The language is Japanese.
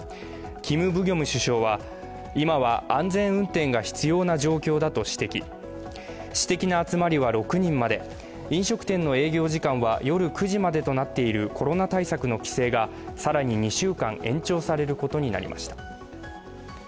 キム・ブギョム首相は、今は安全運転が必要な状況だと指摘、私的な集まりは６人まで、飲食店の営業時間は夜９時までとなっているコロナ対策の規制が更に２週間延長されることになりました。